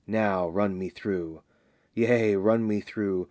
Now run me through! "Yea, run me through!